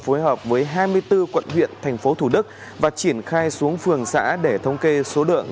phối hợp với hai mươi bốn quận huyện thành phố thủ đức và triển khai xuống phường xã để thống kê số lượng